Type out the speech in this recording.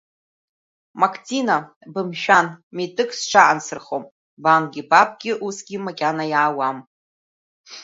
Мактина, бымшәан, митәык сҽаансырхом, бангьы бабгьы усгьы макьана иаауам.